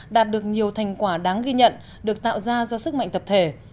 đạt được nhiều thành quả đáng ghi nhận được tạo ra do sức mạnh tập thể